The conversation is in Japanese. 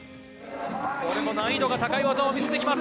難易度が高い技を見せていきます。